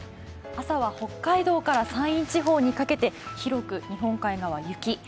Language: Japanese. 朝は北海道から山陰地方にかけて、広く日本海側雪。